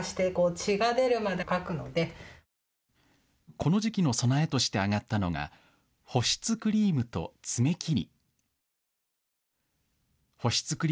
この時期の備えとして挙がったのが保湿クリームと爪切り。